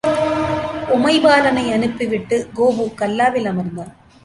உமைபாலனை அனுப்பிவிட்டு, கோபு கல்லாவில் அமர்ந்தான்.